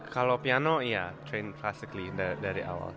kalau piano iya pelan pelan dari awal